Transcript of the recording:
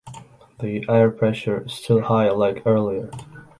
The air pressure is still high like earlier.